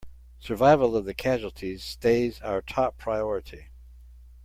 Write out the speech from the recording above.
Survival of the casualties stays our top priority!